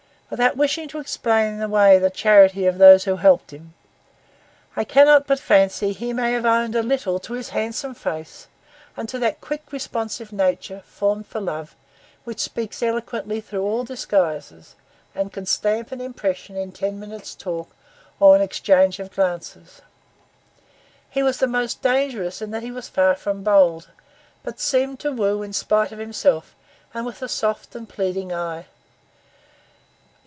Without wishing to explain away the charity of those who helped him, I cannot but fancy he may have owed a little to his handsome face, and to that quick, responsive nature, formed for love, which speaks eloquently through all disguises, and can stamp an impression in ten minutes' talk or an exchange of glances. He was the more dangerous in that he was far from bold, but seemed to woo in spite of himself, and with a soft and pleading eye.